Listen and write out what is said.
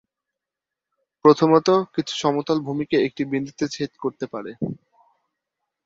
প্রথমত, কিছু সমতল ভূমিকে একটি বিন্দুতে ছেদ করতে পারে।